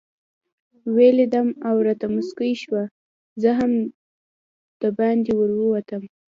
ویې لیدم او راته مسکۍ شوه، زه هم دباندې ورووتم.